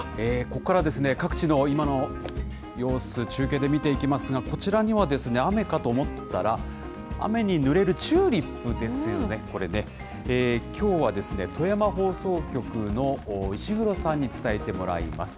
ここからは各地の今の様子、中継で見ていきますが、こちらには、雨かと思ったら、雨にぬれるチューリップですよね、これね、きょうは富山放送局の石黒さんに伝えてもらいます。